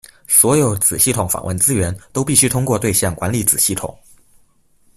所有子系统访问资源都必须通过对象管理子系统。